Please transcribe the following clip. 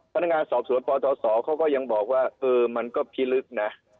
พนักงานสอบสวนปทศเขาก็ยังบอกว่าเออมันก็พิลึกนะ